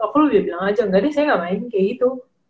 aku udah bilang aja enggak deh saya gak main kayak gitu